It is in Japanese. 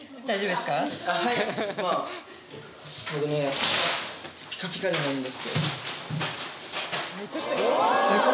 まぁピカピカじゃないんですけどわぁ！